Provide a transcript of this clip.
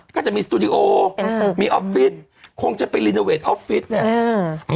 ก็จะมีสตูดิโอมีออร์ฟฟิย์คงจะไปลินโอเวทออฟฟิย์ง่ะ